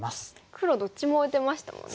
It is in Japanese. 黒どっちも打てましたもんね。